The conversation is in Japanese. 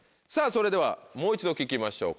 それではもう一度聴きましょう。